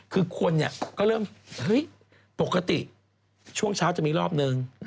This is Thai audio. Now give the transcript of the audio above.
คือคนก็เริ่มเฮ้ยปกติช่วงเช้าจะมีรอบนึง